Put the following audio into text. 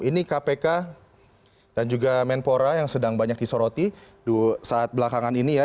ini kpk dan juga menpora yang sedang banyak disoroti saat belakangan ini ya